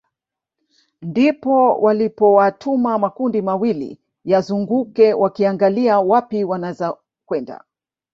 Ndipo walipowatuma makundi mawili yazunguke wakiangalia wapi wanaweza kwenda